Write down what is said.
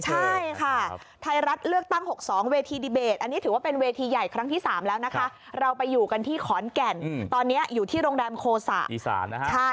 ใช่ค่ะไทยรัฐเลือกตั้ง๖๒เวทีดีเบตอันนี้ถือว่าเป็นเวทีใหญ่ครั้งที่๓แล้วนะคะเราไปอยู่กันที่ขอนแก่นตอนนี้อยู่ที่โรงแรมโคสะอีสานนะคะ